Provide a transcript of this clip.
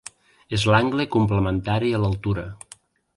És l'angle complementari a l'altura.